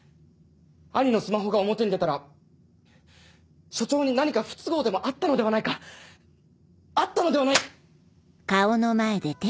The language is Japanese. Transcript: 兄のスマホが表に出たら署長に何か不都合でもあったのではないか。あったのではない！